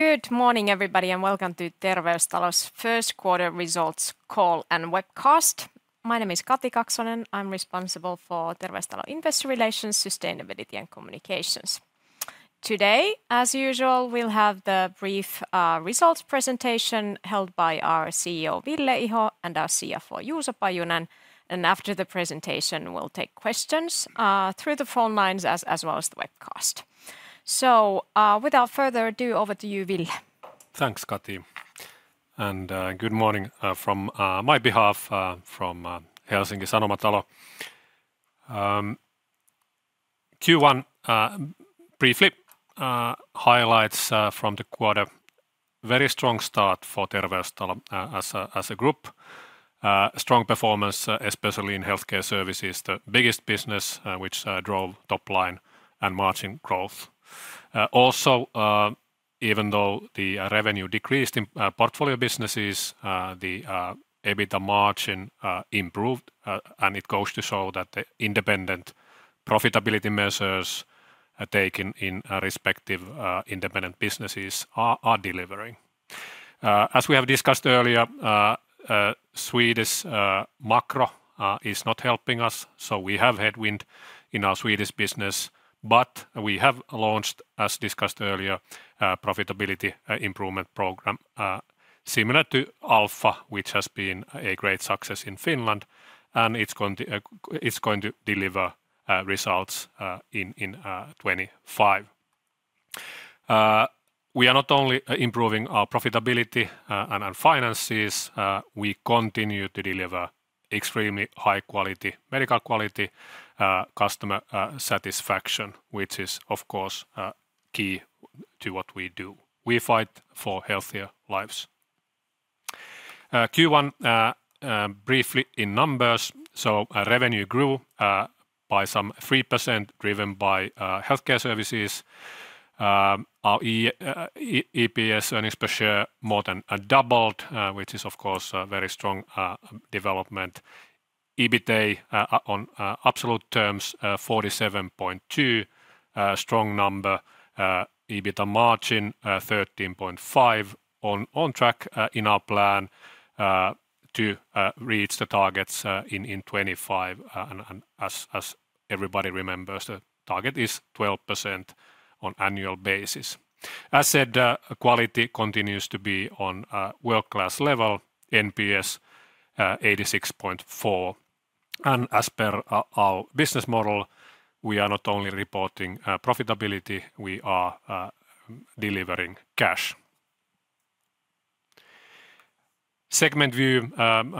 Good morning, everybody, and welcome to Terveystalo's first quarter results call and webcast. My name is Kati Kaksonen. I'm responsible for Terveystalo Investor Relations, Sustainability, and Communications. Today, as usual, we'll have the brief results presentation held by our CEO, Ville Iho, and our CFO, Juuso Pajunen. After the presentation, we'll take questions through the phone lines as well as the webcast. Without further ado, over to you, Ville. Thanks, Kati. Good morning from my behalf from Helsinki Sanomatalo. Q1 briefly. Highlights from the quarter, very strong start for Terveystalo as a group. Strong performance, especially in Healthcare Services, the biggest business, which drove top-line and margin growth. Also, even though the revenue decreased in portfolio businesses, the EBITDA margin improved. It goes to show that the independent profitability measures taken in respective independent businesses are delivering. As we have discussed earlier, Swedish macro is not helping us. We have headwind in our Swedish business. We have launched, as discussed earlier, profitability improvement program similar to Alpha, which has been a great success in Finland. It's going to deliver results in 2025. We are not only improving our profitability and our finances, we continue to deliver extremely high medical quality, customer satisfaction, which is of course, key to what we do. We fight for healthier lives. Q1 briefly in numbers. Revenue grew by some 3%, driven by Healthcare Services. Our EPS, earnings per share, more than doubled, which is of course, a very strong development. EBITA on absolute terms, 47.2, a strong number. EBITDA margin 13.5%, on track in our plan to reach the targets in 2025. As everybody remembers, the target is 12% on annual basis. As said, quality continues to be on a world-class level, NPS 86.4%. As per our business model, we are not only reporting profitability, we are delivering cash. Segment view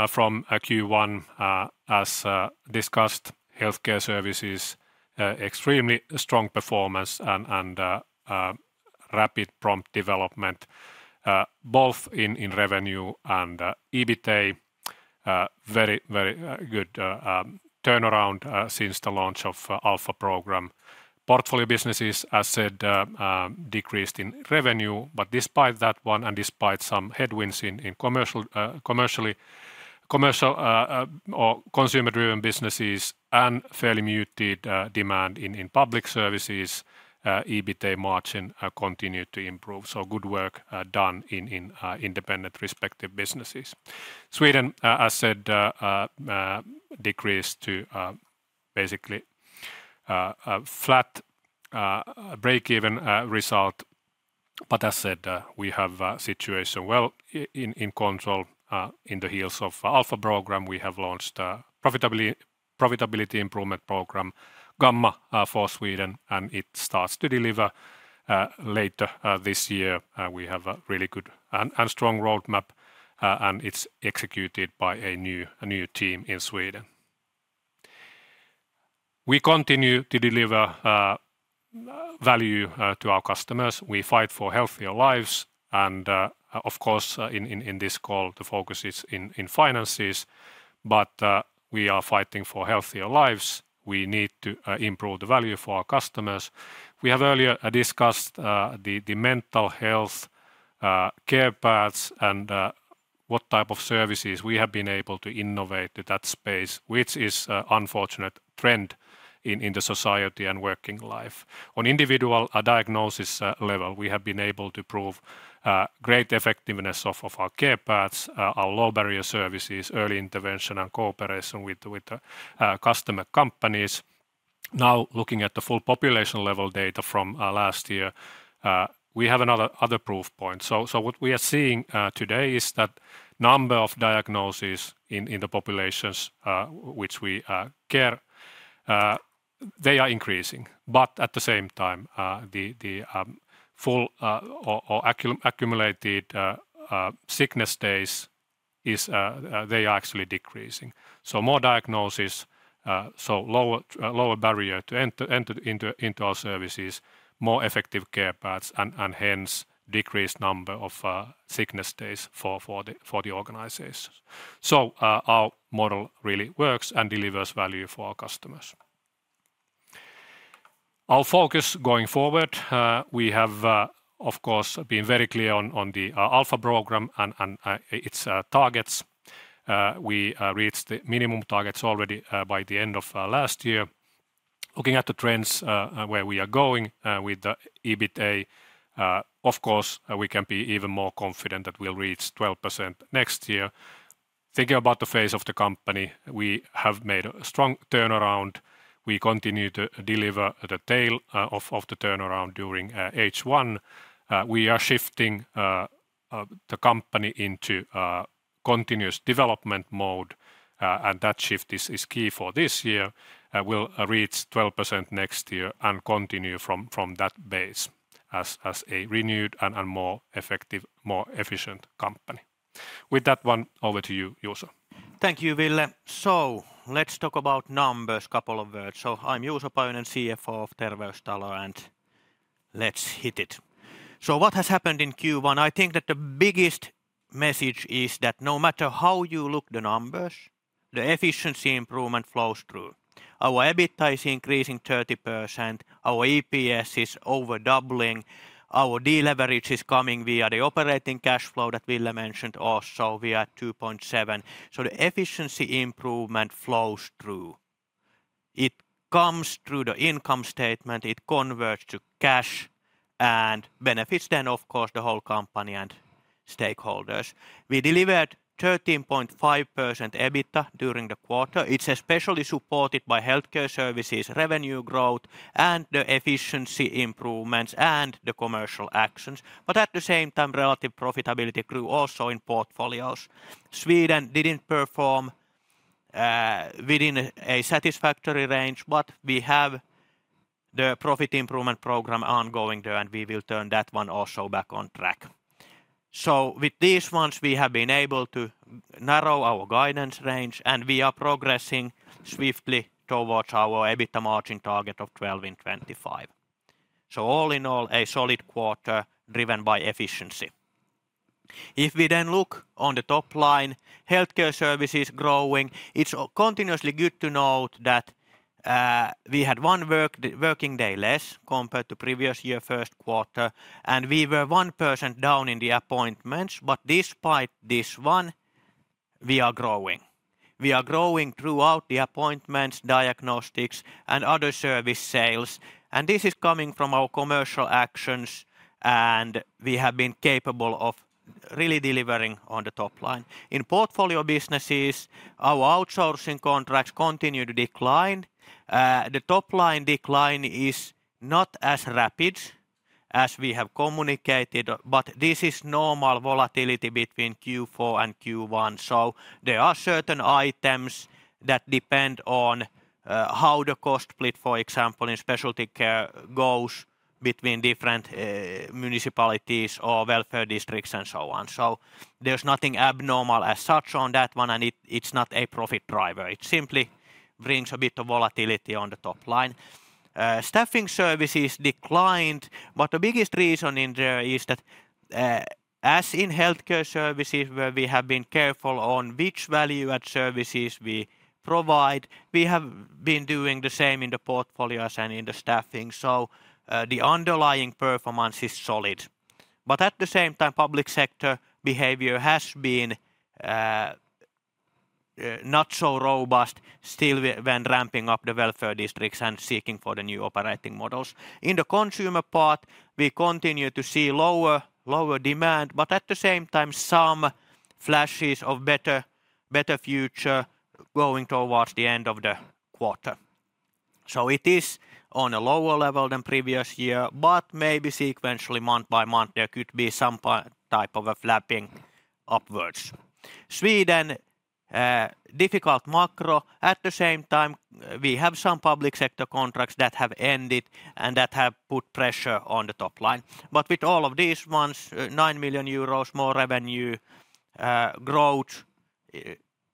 from Q1. As discussed, Healthcare Services, extremely strong performance and rapid, prompt development both in revenue and EBITA. Very good turnaround since the launch of Alpha program. Portfolio businesses, as said, decreased in revenue. Despite that one and despite some headwinds in commercial or consumer-driven businesses and fairly muted demand in public services, EBITA margin continued to improve. Good work done in independent respective businesses. Sweden, as said, decreased to basically a flat breakeven result. As said, we have a situation well in control. In the heels of Alpha program, we have launched a profitability improvement program, Gamma, for Sweden. It starts to deliver later this year. We have a really good and strong roadmap. It's executed by a new team in Sweden. We continue to deliver value to our customers. We fight for healthier lives. Of course, in this call, the focus is in finances. We are fighting for healthier lives. We need to improve the value for our customers. We have earlier discussed the mental health care paths and what type of services we have been able to innovate to that space, which is an unfortunate trend in the society and working life. On individual diagnosis level, we have been able to prove great effectiveness of our care paths, our low-barrier services, early intervention, and cooperation with the customer companies. Now looking at the full population level data from last year, we have another other proof point. What we are seeing today is that number of diagnoses in the populations which we care, they are increasing. At the same time, the full or accumulated sickness days, they are actually decreasing. More diagnoses, lower barrier to enter into our services, more effective care paths, and hence, decreased number of sickness days for the organizations. Our model really works and delivers value for our customers. Our focus going forward. We have, of course, been very clear on the Alpha program and its targets. We reached the minimum targets already by the end of last year. Looking at the trends, where we are going with the EBITDA, of course, we can be even more confident that we'll reach 12% next year. Thinking about the phase of the company, we have made a strong turnaround. We continue to deliver the tail of the turnaround during H1. We are shifting the company into continuous development mode, and that shift is key for this year. We'll reach 12% next year and continue from that base as a renewed and more effective, more efficient company. With that one, over to you, Juuso. Thank you, Ville. Let's talk about numbers, couple of words. I am Juuso Pajunen, CFO of Terveystalo, and let's hit it. What has happened in Q1? I think that the biggest message is that no matter how you look the numbers, the efficiency improvement flows through. Our EBITDA is increasing 30%. Our EPS is over doubling. Our deleverage is coming via the operating cash flow that Ville mentioned also. We are at 2.7. The efficiency improvement flows through. It comes through the income statement, it converts to cash and benefits then, of course, the whole company and stakeholders. We delivered 13.5% EBITDA during the quarter. It is especially supported by Healthcare Services revenue growth and the efficiency improvements and the commercial actions. At the same time, relative profitability grew also in portfolios. Sweden did not perform within a satisfactory range, but we have the profit improvement program ongoing there, and we will turn that one also back on track. With these ones, we have been able to narrow our guidance range, and we are progressing swiftly towards our EBITDA margin target of 12% in 2025. All in all, a solid quarter driven by efficiency. If we then look on the top line, Healthcare Services growing. It is continuously good to note that we had one working day less compared to previous year first quarter, and we were 1% down in the appointments. Despite this one, we are growing. We are growing throughout the appointments, diagnostics, and other service sales, and this is coming from our commercial actions, and we have been capable of really delivering on the top line. In portfolio businesses, our outsourcing contracts continue to decline. The top-line decline is not as rapid as we have communicated, but this is normal volatility between Q4 and Q1. There are certain items that depend on how the cost split, for example, in specialty care goes between different municipalities or welfare districts and so on. There is nothing abnormal as such on that one, and it is not a profit driver. It simply brings a bit of volatility on the top line. Staffing services declined, but the biggest reason in there is that, as in Healthcare Services where we have been careful on which value add services we provide, we have been doing the same in the portfolios and in the staffing. The underlying performance is solid. At the same time, public sector behavior has been not so robust still when ramping up the welfare districts and seeking for the new operating models. In the consumer part, we continue to see lower demand, but at the same time, some flashes of better future going towards the end of the quarter. It is on a lower level than previous year, but maybe sequentially month by month, there could be some type of a flapping upwards. Sweden, difficult macro. At the same time, we have some public sector contracts that have ended and that have put pressure on the top line. With all of these ones, 9 million euros more revenue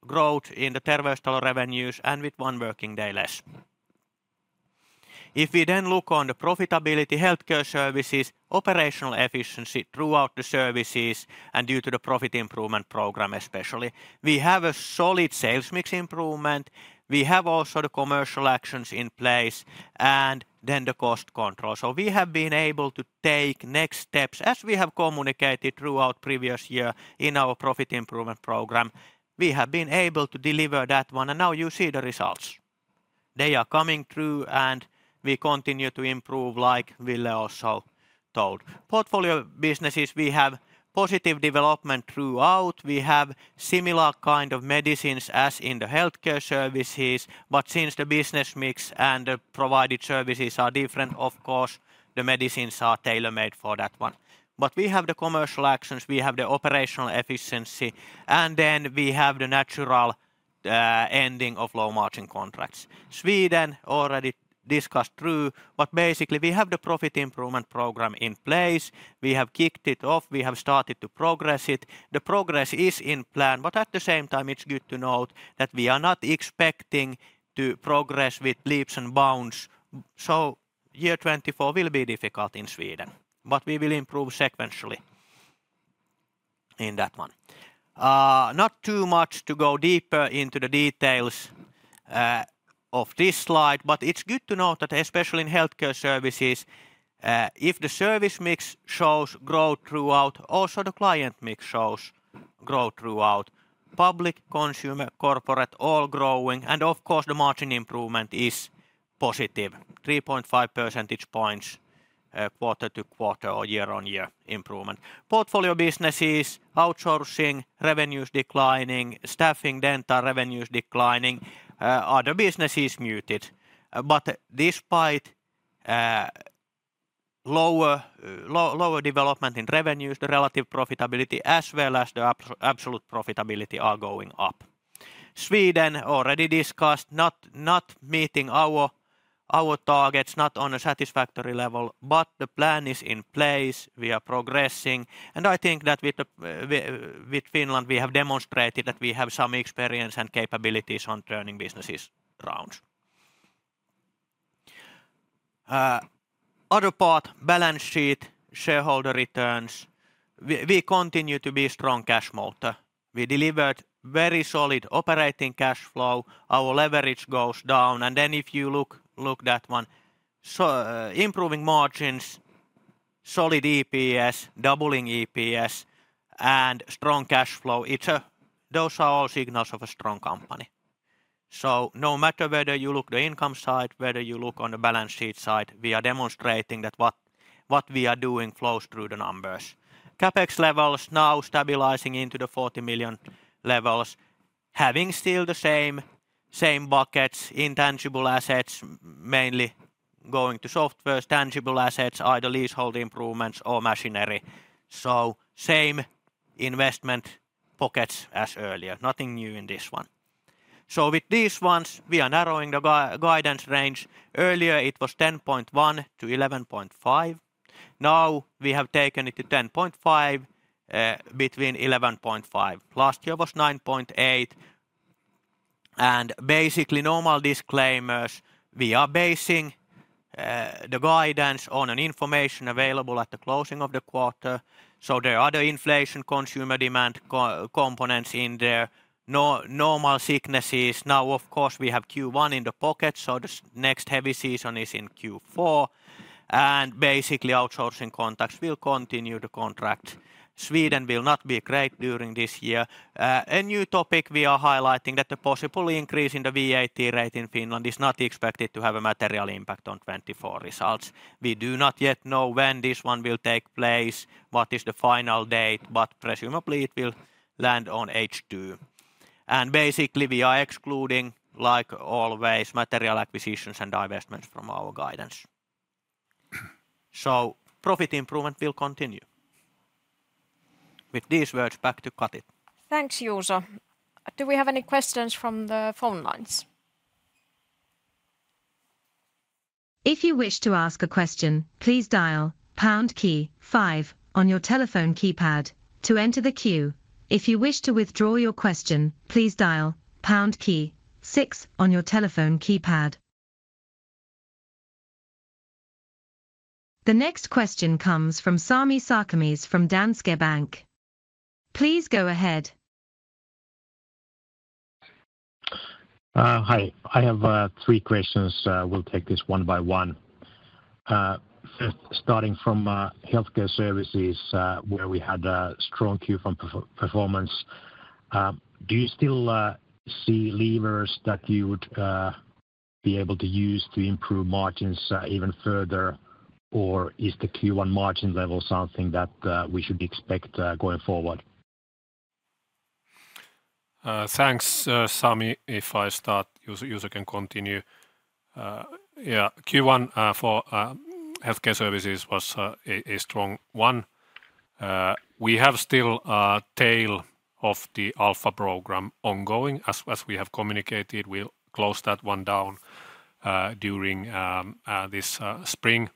growth in the Terveystalo revenues and with one working day less. If we look on the profitability Healthcare Services, operational efficiency throughout the services and due to the profit improvement program especially. We have a solid sales mix improvement. We have also the commercial actions in place and the cost control. We have been able to take next steps, as we have communicated throughout previous year in our profit improvement program. We have been able to deliver that one, and now you see the results. They are coming through. We continue to improve, like Ville also told. Portfolio businesses, we have positive development throughout. We have similar kind of medicines as in the Healthcare Services, but since the business mix and the provided services are different, of course, the medicines are tailor-made for that one. We have the commercial actions, we have the operational efficiency. We have the natural ending of low-margin contracts. Sweden, already discussed through. Basically, we have the profit improvement program in place. We have kicked it off. We have started to progress it. The progress is in plan, at the same time, it is good to note that we are not expecting to progress with leaps and bounds. Year 2024 will be difficult in Sweden. We will improve sequentially in that one. Not too much to go deeper into the details of this slide, it is good to note that especially in Healthcare Services, if the service mix shows growth throughout, also the client mix shows growth throughout public consumer, corporate, all growing. Of course, the margin improvement is positive, 3.5 percentage points quarter-to-quarter or year-on-year improvement. Portfolio businesses, outsourcing revenues declining, staffing, dental revenues declining, other businesses muted. Despite lower development in revenues, the relative profitability as well as the absolute profitability are going up. Sweden already discussed not meeting our targets, not on a satisfactory level. The plan is in place. We are progressing. I think that with Finland, we have demonstrated that we have some experience and capabilities on turning businesses around. Other part, balance sheet, shareholder returns. We continue to be strong cash molter. We delivered very solid operating cash flow. Our leverage goes down. If you look that one, improving margins, solid EPS, doubling EPS and strong cash flow, those are all signals of a strong company. No matter whether you look the income side, whether you look on the balance sheet side, we are demonstrating that what we are doing flows through the numbers. CapEx levels now stabilizing into the 40 million levels, having still the same buckets, intangible assets, mainly going to software, tangible assets, either leasehold improvements or machinery. Same investment pockets as earlier. Nothing new in this one. With these ones, we are narrowing the guidance range. Earlier it was 10.1-11.5. Now we have taken it to 10.5, between 11.5. Last year was 9.8. Basically normal disclaimers, we are basing the guidance on an information available at the closing of the quarter. There are other inflation consumer demand components in there. Normal sicknesses. Of course, we have Q1 in the pocket, the next heavy season is in Q4, outsourcing contacts will continue to contract. Sweden will not be great during this year. A new topic we are highlighting that the possible increase in the VAT rate in Finland is not expected to have a material impact on 2024 results. We do not yet know when this one will take place, what is the final date, presumably it will land on H2. We are excluding, like always, material acquisitions and divestments from our guidance. Profit improvement will continue. With these words, back to Kati. Thanks, Juuso. Do we have any questions from the phone lines? If you wish to ask a question, please dial pound key 5 on your telephone keypad to enter the queue. If you wish to withdraw your question, please dial pound key 6 on your telephone keypad. The next question comes from Sami Sarkamies from Danske Bank. Please go ahead. Hi, I have three questions. We'll take this one by one. Starting from Healthcare Services, where we had a strong Q1 performance. Do you still see levers that you would be able to use to improve margins even further? Is the Q1 margin level something that we should expect going forward? Thanks, Sami. If I start, Juuso can continue. Yeah, Q1 for Healthcare Services was a strong one. We have still a tail of the Alpha program ongoing. As we have communicated, we'll close that one down during this spring.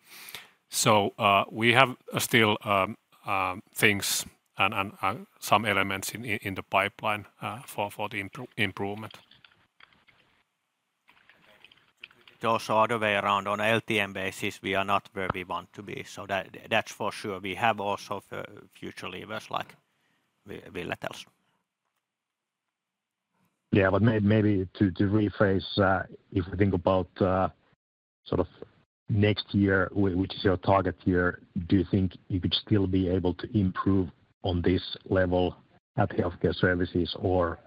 We have still things and some elements in the pipeline for the improvement. Also other way around, on LTM basis, we are not where we want to be. That's for sure. We have also future levers like Ville tells. Yeah, maybe to rephrase, if we think about next year, which is your target year, do you think you could still be able to improve on this level at Healthcare Services? Or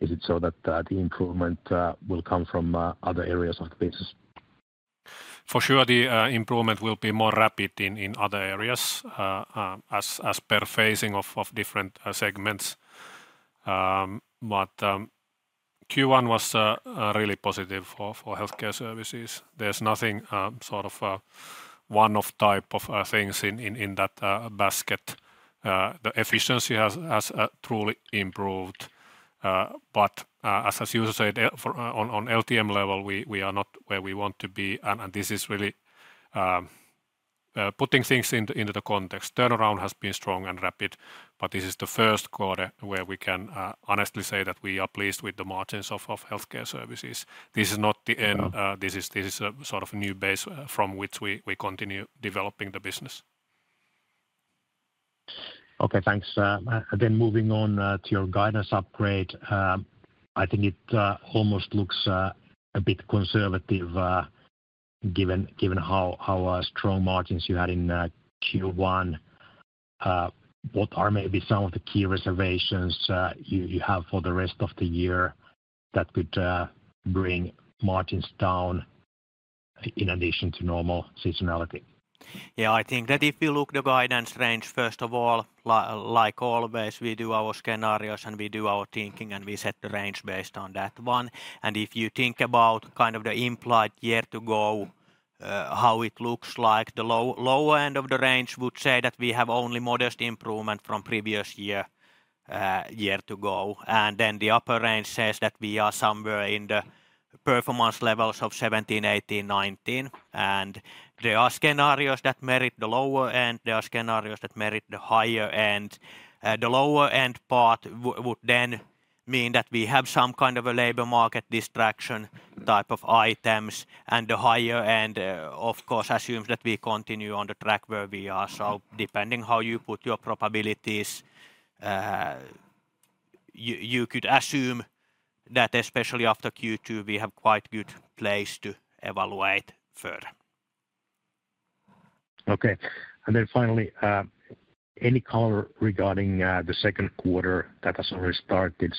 is it so that the improvement will come from other areas of the business? For sure, the improvement will be more rapid in other areas as per phasing of different segments. Q1 was really positive for Healthcare Services. There's nothing one-off type of things in that basket. The efficiency has truly improved. As Juuso said, on LTM level, we are not where we want to be, and this is really putting things into the context. Turnaround has been strong and rapid, this is the first quarter where we can honestly say that we are pleased with the margins of Healthcare Services. This is not the end. This is a new base from which we continue developing the business. Okay, thanks. Moving on to your guidance upgrade. I think it almost looks a bit conservative Given how strong margins you had in Q1, what are maybe some of the key reservations you have for the rest of the year that could bring margins down in addition to normal seasonality? Yeah, I think that if you look at the guidance range, first of all, like always, we do our scenarios and we do our thinking, and we set the range based on that one. If you think about the implied year to go, how it looks like, the lower end of the range would say that we have only modest improvement from previous year to go. The upper range says that we are somewhere in the performance levels of 2017, 2018, 2019. There are scenarios that merit the lower end. There are scenarios that merit the higher end. The lower end part would then mean that we have some kind of a labor market distraction type of items. The higher end, of course, assumes that we continue on the track where we are. Depending how you put your probabilities, you could assume that especially after Q2, we have quite good place to evaluate further. Okay. Finally, any color regarding the second quarter that has already started?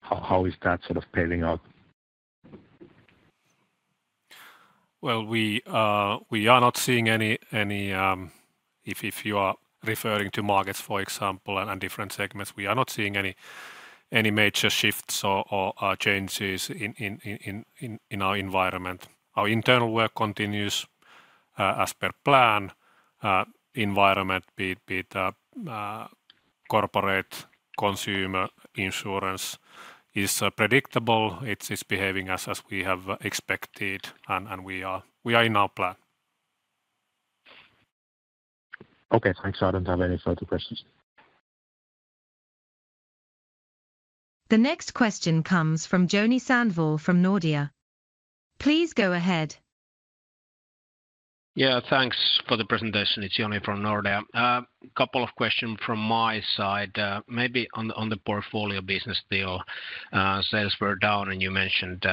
How is that panning out? Well, if you are referring to markets, for example, and different segments, we are not seeing any major shifts or changes in our environment. Our internal work continues as per plan. Environment, be it corporate, consumer, insurance, is predictable. It's behaving as we have expected, and we are in our plan. Okay, thanks. I don't have any further questions. The next question comes from Joni Sandvall from Nordea. Please go ahead. Yeah. Thanks for the presentation. It's Joni from Nordea. Couple of question from my side. Maybe on the portfolio business deal, sales were down, and you mentioned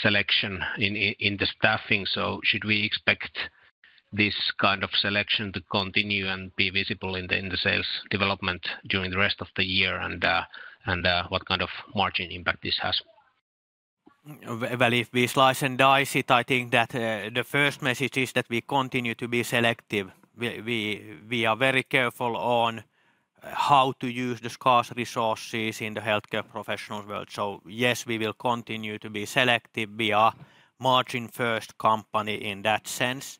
selection in the staffing. Should we expect this kind of selection to continue and be visible in the sales development during the rest of the year? What kind of margin impact this has? Well, if we slice and dice it, I think that the first message is that we continue to be selective. We are very careful on how to use the scarce resources in the healthcare professional world. Yes, we will continue to be selective. We are margin-first company in that sense.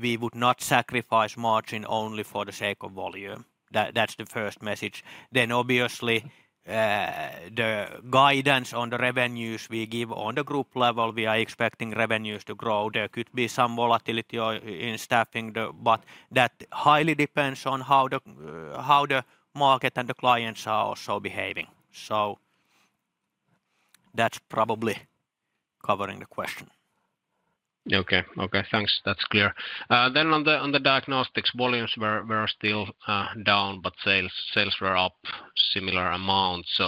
We would not sacrifice margin only for the sake of volume. That's the first message. Obviously, the guidance on the revenues we give on the group level, we are expecting revenues to grow. There could be some volatility in staffing, that highly depends on how the market and the clients are also behaving. That's probably covering the question. Okay. Thanks. That's clear. On the diagnostics, volumes were still down, sales were up similar amounts.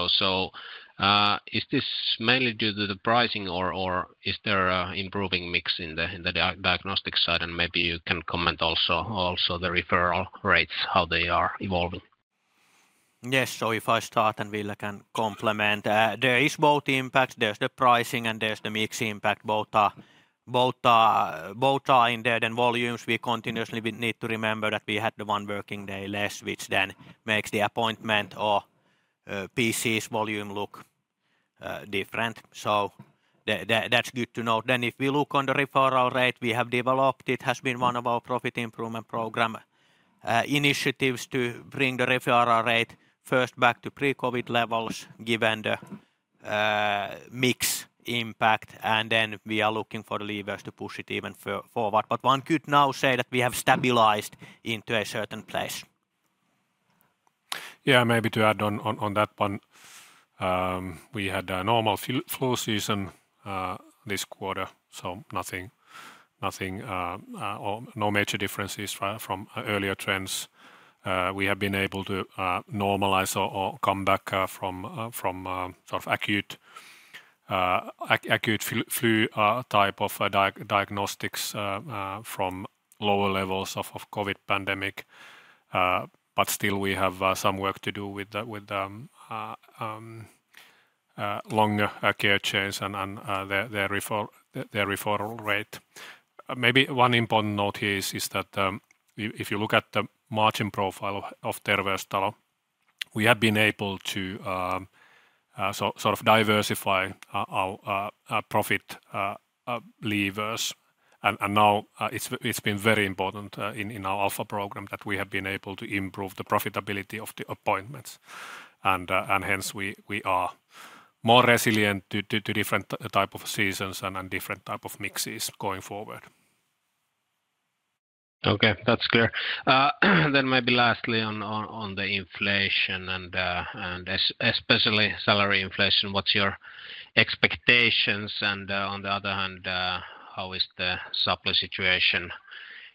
Is this mainly due to the pricing or is there improving mix in the diagnostics side? Maybe you can comment also the referral rates, how they are evolving. Yes. If I start and Ville can complement. There is both impacts. There's the pricing and there's the mix impact. Both are in there. Volumes, we continuously need to remember that we had the one working day less, which then makes the appointment or PCs volume look different. That's good to know. If we look on the referral rate we have developed, it has been one of our profit improvement program initiatives to bring the referral rate first back to pre-COVID levels given the mix impact. We are looking for levers to push it even forward. One could now say that we have stabilized into a certain place. Maybe to add on that one. We had a normal flu season this quarter, no major differences from earlier trends. We have been able to normalize or come back from acute flu type of diagnostics from lower levels of COVID pandemic. Still we have some work to do with the longer care chains and their referral rate. Maybe one important note here is that if you look at the margin profile of Terveystalo, we have been able to sort of diversify our profit levers. Now it's been very important in our Alpha program that we have been able to improve the profitability of the appointments. Hence we are more resilient to different type of seasons and different type of mixes going forward. That's clear. Maybe lastly on the inflation and especially salary inflation, what's your expectations? On the other hand, how is the supply situation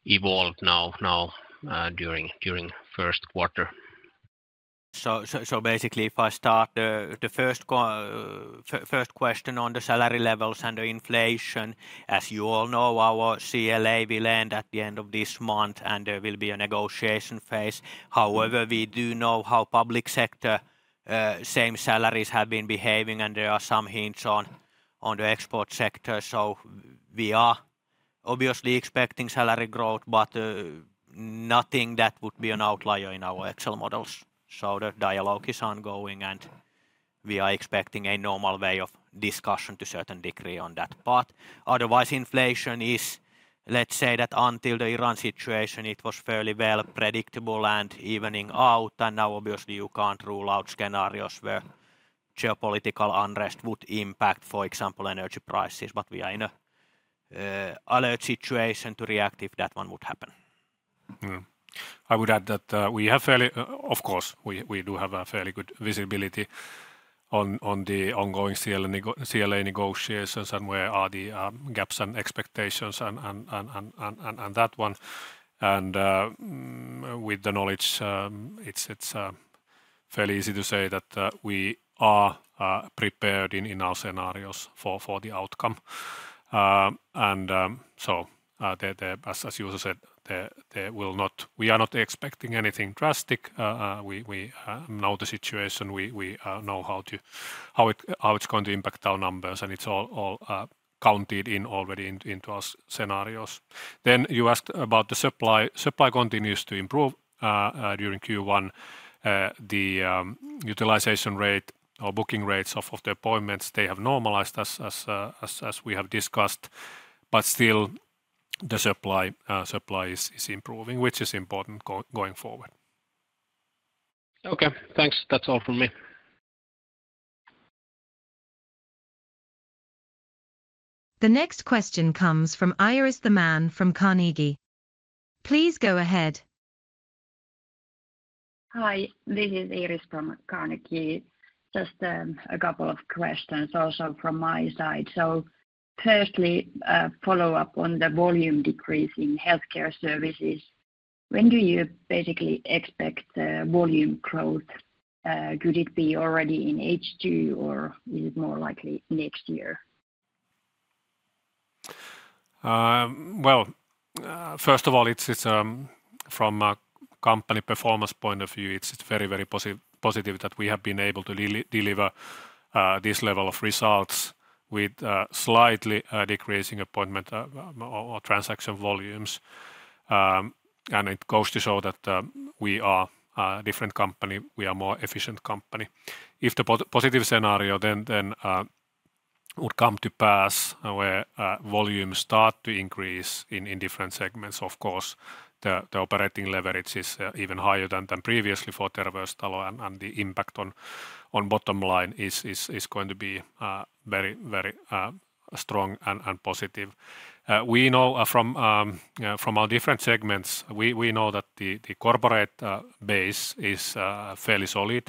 evolved now during first quarter? Basically, if I start, the first question on the salary levels and the inflation, as you all know, our CLA will end at the end of this month, and there will be a negotiation phase. However, we do know how public sector same salaries have been behaving, and there are some hints on the export sector. We are obviously expecting salary growth, but nothing that would be an outlier in our Excel models. The dialogue is ongoing, and we are expecting a normal way of discussion to a certain degree on that path. Otherwise, inflation is, let's say that until the Iran situation, it was fairly well predictable and evening out. Now obviously you can't rule out scenarios where geopolitical unrest would impact, for example, energy prices. We are in an alert situation to react if that one would happen. Mm-hmm. I would add that, of course, we do have a fairly good visibility on the ongoing CLA negotiations and where are the gaps and expectations and that one. With the knowledge, it's fairly easy to say that we are prepared in our scenarios for the outcome. As you said, we are not expecting anything drastic. We know the situation. We know how it's going to impact our numbers, and it's all counted in already into our scenarios. You asked about the supply. Supply continues to improve during Q1. The utilization rate or booking rates of the appointments, they have normalized as we have discussed. Still, the supply is improving, which is important going forward. Okay, thanks. That's all from me. The next question comes from Iiris Tammi from Carnegie. Please go ahead. Hi, this is Iiris from Carnegie. Just a couple of questions also from my side. Firstly, a follow-up on the volume decrease in Healthcare Services. When do you basically expect volume growth? Could it be already in H2, or is it more likely next year? Well, first of all, from a company performance point of view, it's very positive that we have been able to deliver this level of results with slightly decreasing appointment or transaction volumes. It goes to show that we are a different company. We are a more efficient company. If the positive scenario then would come to pass where volumes start to increase in different segments, of course, the operating leverage is even higher than previously for Terveystalo, and the impact on bottom line is going to be very strong and positive. From our different segments, we know that the corporate base is fairly solid.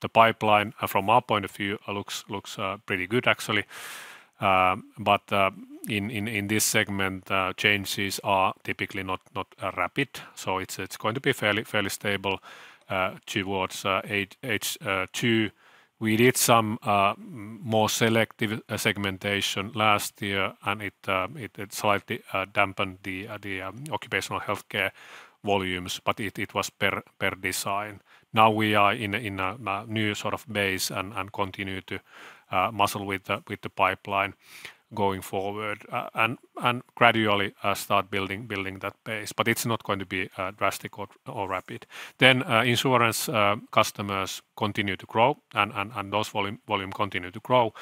The pipeline, from our point of view, looks pretty good, actually. In this segment, changes are typically not rapid. It's going to be fairly stable towards H2. We did some more selective segmentation last year, it slightly dampened the occupational health care volumes, but it was per design. Now we are in a new sort of base and continue to muscle with the pipeline going forward and gradually start building that base. It's not going to be drastic or rapid. Insurance customers continue to grow, those volume continue to grow.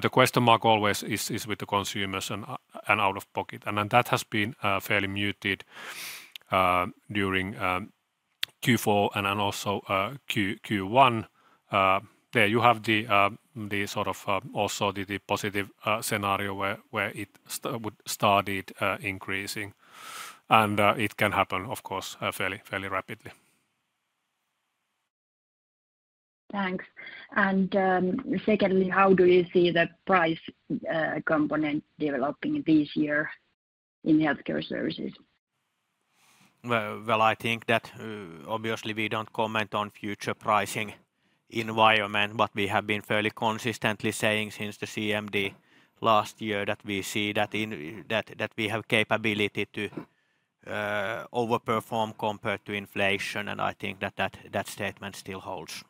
The question mark always is with the consumers and out-of-pocket. That has been fairly muted during Q4 and also Q1. There you have the sort of also the positive scenario where it would started increasing. It can happen, of course, fairly rapidly. Thanks. Secondly, how do you see the price component developing this year in Healthcare Services? Well, I think that obviously we don't comment on future pricing environment, we have been fairly consistently saying since the CMD last year that we see that we have capability to over-perform compared to inflation, I think that statement still holds.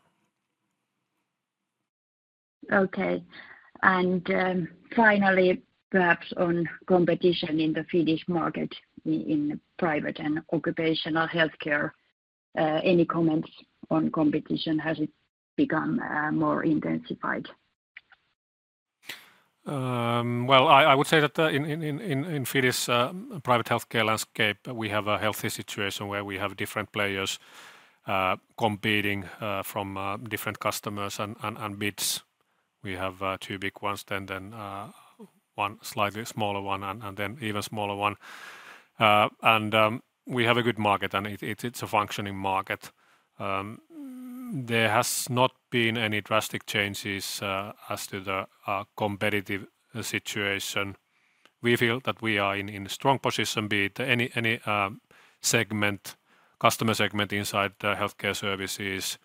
Finally, perhaps on competition in the Finnish market in private and occupational healthcare. Any comments on competition? Has it become more intensified? Well, I would say that in Finnish private healthcare landscape, we have a healthy situation where we have different players competing from different customers and bids. We have two big ones, then one slightly smaller one, and then even smaller one. We have a good market, and it's a functioning market. There has not been any drastic changes as to the competitive situation. We feel that we are in a strong position, be it any segment, customer segment inside the Healthcare Services.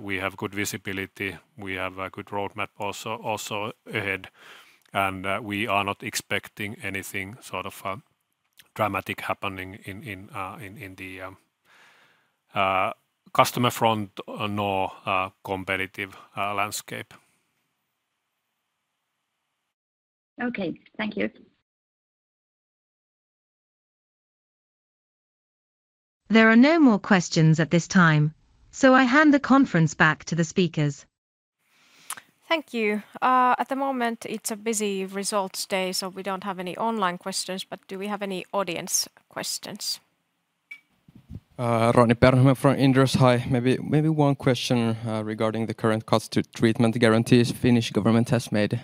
We have good visibility. We have a good roadmap also ahead, and we are not expecting anything dramatic happening in the customer front nor competitive landscape. Okay. Thank you. There are no more questions at this time, I hand the conference back to the speakers. Thank you. At the moment, it's a busy results day, we don't have any online questions, but do we have any audience questions? Roni Pernu from Inderes. Hi. Maybe one question regarding the current cost to treatment guarantees Finnish government has made.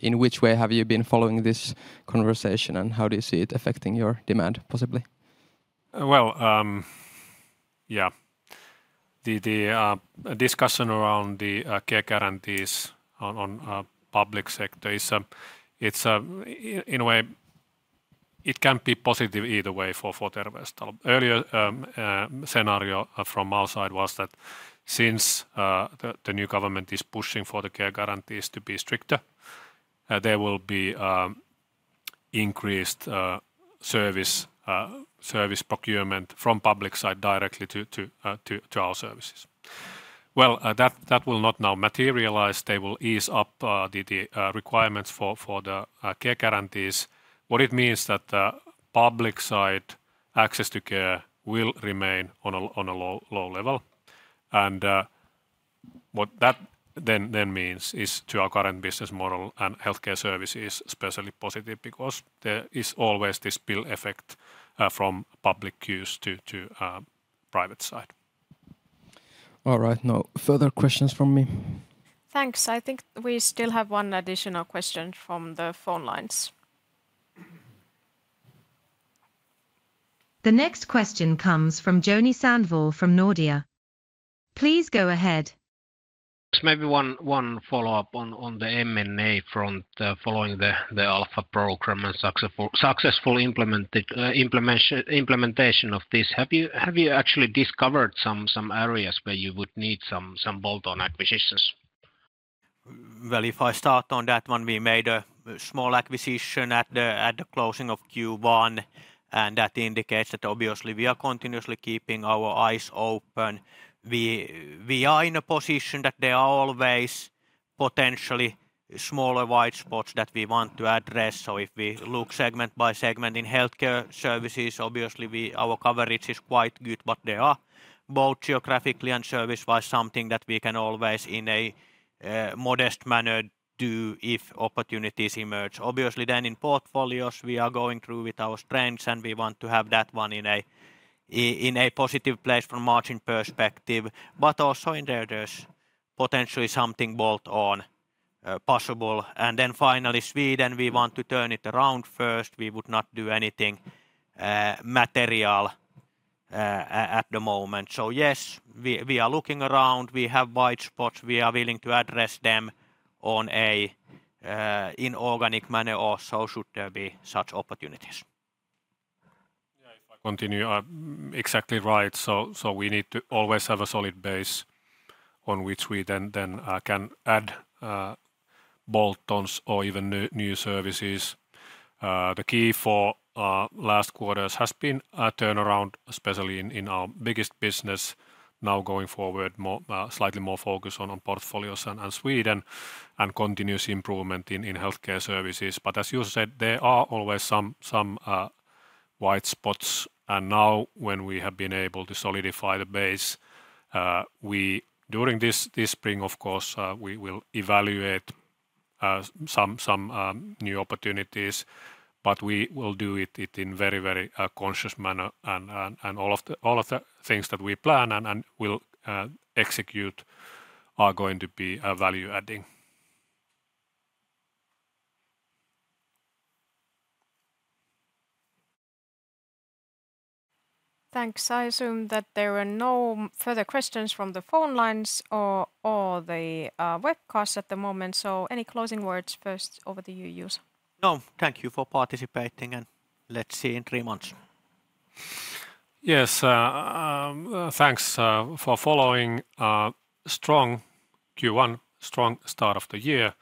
In which way have you been following this conversation, how do you see it affecting your demand possibly? Well, yeah. The discussion around the care guarantees on public sector, in a way, it can be positive either way for Terveystalo. Earlier scenario from our side was that since the new government is pushing for the care guarantees to be stricter, there will be increased service procurement from public side directly to our services. Well, that will not now materialize. They will ease up the requirements for the care guarantees. What it means that public side access to care will remain on a low level. What that then means is to our current business model and Healthcare Services is especially positive because there is always this spill effect from public use to private side. All right. No further questions from me. Thanks. I think we still have one additional question from the phone lines. The next question comes from Joni Sandvall from Nordea. Please go ahead. Just maybe one follow-up on the M&A front following the Alpha program and successful implementation of this. Have you actually discovered some areas where you would need some bolt-on acquisitions? If I start on that one, we made a small acquisition at the closing of Q1. That indicates that obviously we are continuously keeping our eyes open. We are in a position that there are always potentially smaller white spots that we want to address. If we look segment by segment in Healthcare Services, obviously our coverage is quite good, but there are both geographically and service-wise something that we can always in a modest manner do if opportunities emerge. Obviously in portfolios, we are going through with our strengths. We want to have that one in a positive place from margin perspective, but also in there there's potentially something bolt-on possible. Finally, Sweden, we want to turn it around first. We would not do anything material at the moment. Yes, we are looking around. We have white spots. We are willing to address them on an inorganic manner or so should there be such opportunities. Yeah, if I continue. Exactly right. We need to always have a solid base on which we then can add bolt-ons or even new services. The key for last quarters has been a turnaround, especially in our biggest business now going forward, slightly more focus on portfolios and Sweden and continuous improvement in Healthcare Services. As you said, there are always some white spots, and now when we have been able to solidify the base, during this spring, of course, we will evaluate some new opportunities, but we will do it in very conscious manner and all of the things that we plan and will execute are going to be value adding. Thanks. I assume that there are no further questions from the phone lines or the webcast at the moment. Any closing words? First over to you, Juuso. No. Thank you for participating. Let's see in three months. Yes. Thanks for following. Strong Q1, strong start of the year,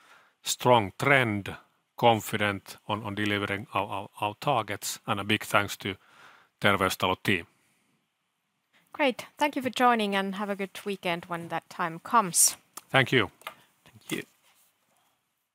strong trend, confident on delivering our targets, and a big thanks to Terveystalo team. Great. Thank you for joining, and have a good weekend when that time comes. Thank you. Thank you.